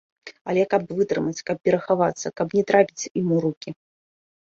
Але каб вытрымаць, каб перахавацца, каб не трапіць ім у рукі!